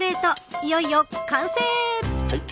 いよいよ完成。